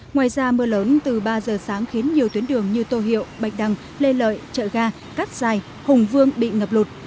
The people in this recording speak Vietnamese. ngoài ra mưa lớn từ ba giờ sáng khiến nhiều tuyến đường như tô hiệu bạch đăng lê lợi chợ ga cát dài hùng vương bị ngập lụt